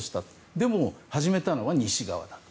でも、始めたのは西側だと。